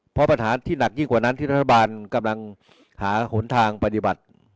เพราะปัญหาที่หนักยิ่งกว่านั้นที่รัฐบาลกำลังหาหนทางปฏิบัติ